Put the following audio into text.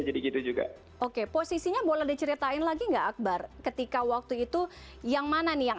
jadi gitu juga oke posisinya boleh diceritain lagi enggak akbar ketika waktu itu yang mana nih yang